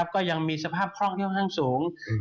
ก็ยังมีสภาพคล่องค่อนข้างสูง